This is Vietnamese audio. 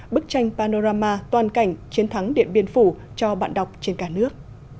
bức tranh panorama toàn cảnh chiến thắng điện biên phủ cho bạn đọc trên cả nước